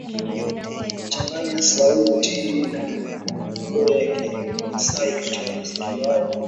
wamechanganya sauti na midundo ya kiamasai katika muziki wao